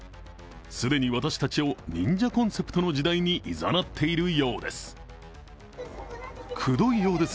既に私たちを忍者コンセプトの時代にいざなっているようです。